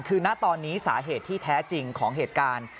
คือณตอนนี้สาเหตุที่แท้จริงของเหตุการณ์